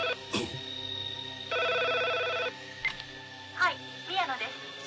はい宮野です